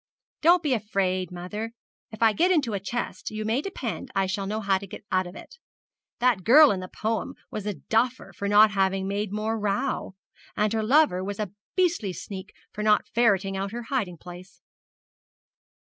'Don't be afraid, mother. If I get into a chest, you may depend I shall know how to get out of it. That girl in the poem was a duffer for not having made more row; and her lover was a beastly sneak for not ferreting out her hiding place.'